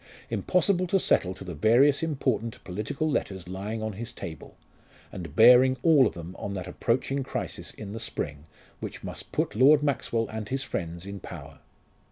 Impossible to settle to the various important political letters lying on his table, and bearing all of them on that approaching crisis in the spring which must put Lord Maxwell and his friends in power.